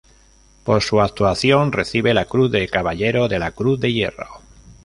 Por su actuación recibe la Cruz de Caballero de la Cruz de Hierro.